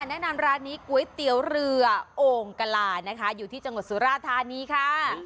แนะนำร้านนี้ก๋วยเตี๋ยวเรือโอ่งกลานะคะอยู่ที่จังหวัดสุราธานีค่ะ